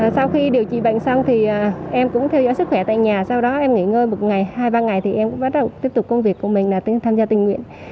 sau khi điều trị bệnh xong thì em cũng theo dõi sức khỏe tại nhà sau đó em nghỉ ngơi một ngày hai ba ngày thì em cũng bắt đầu tiếp tục công việc của mình là tham gia tình nguyện